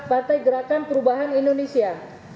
partai gerakan perubahan indonesia